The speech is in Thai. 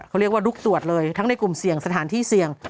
เขาเรียกว่าลุกตรวจเลยทั้งในกลุ่มเสี่ยงสถานที่เสี่ยง